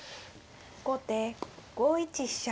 後手５一飛車。